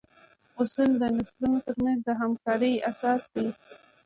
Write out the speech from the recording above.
اصول د نسلونو تر منځ د همکارۍ اساس دي.